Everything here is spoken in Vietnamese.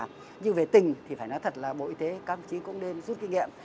nhưng về tình thì phải nói thật là bộ y tế các ông chí cũng nên rút kinh nghiệm